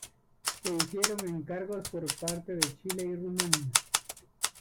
Se hicieron encargos por parte de Chile y Rumania.